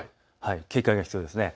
警戒が必要です。